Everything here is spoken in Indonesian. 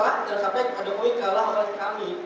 jangan sampai pak jokowi kalah oleh kami